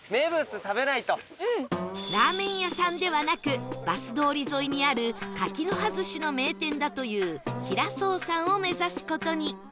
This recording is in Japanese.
ラーメン屋さんではなくバス通り沿いにある柿の葉ずしの名店だというひらそうさんを目指す事に